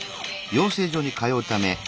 養成所に通うために。